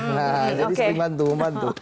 nah jadi sering bantu bantu